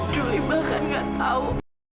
juli bahkan nggak tahu